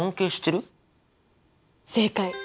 正解！